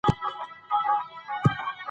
هغوی به ډېر ژر خپلې زده کړې بشپړې کړي.